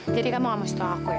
jadi kamu gak mau setau aku ya